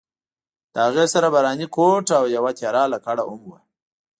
د هغې سره باراني کوټ او یوه تېره لکړه هم وه.